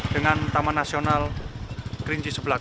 dengan taman nasional kringji sebelan